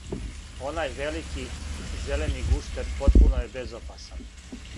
Onaj veliki, zeleni gušter potpuno je bezopasan.